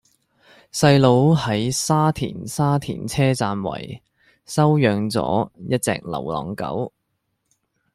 細佬喺沙田沙田車站圍收養左一隻流浪狗